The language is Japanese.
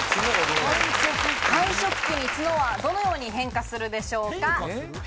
繁殖期に角はどのように変化するでしょうか？